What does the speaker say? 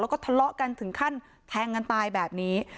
แล้วก็ทะเลาะกันถึงขั้นแทงกันตายแบบนี้